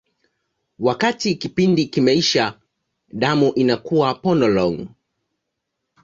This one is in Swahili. Wakati kipindi kimeisha, damu inakuwa polong.